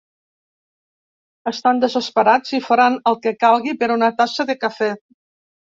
Estan desesperats i faran el que calgui per una tassa de cafè.